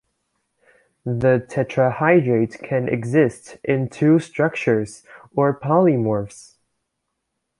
The tetrahydrate can exist in two structures, or polymorphs.